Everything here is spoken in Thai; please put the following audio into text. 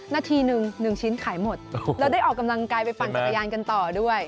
นาทีหนึ่ง๑ชิ้นขายหมดแล้วได้ออกกำลังกายไปปั่นจักรยานกันต่อด้วย